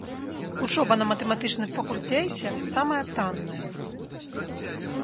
Вучоба на матэматычным факультэце самая танная.